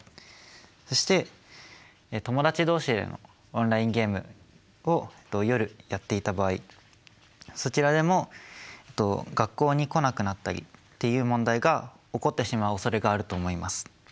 そして友達同士でのオンラインゲームを夜やっていた場合そちらでも学校に来なくなったりっていう問題が起こってしまうおそれがあると思います。